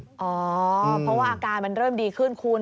เพราะว่าอาการมันเริ่มดีขึ้นคุณ